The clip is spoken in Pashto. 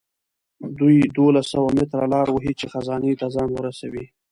دوی دولس سوه متره لاره وهي چې خزانې ته ځان ورسوي.